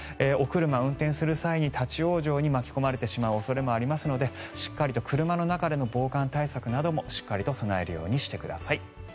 お車を運転する際に立ち往生に巻き込まれてしまう恐れもありますのでしっかりと車の中での防寒対策などもしっかりと備えるようにしてください。